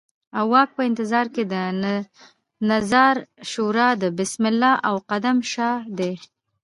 او واک په کې د نظار شورا د بسم الله او قدم شاه دی.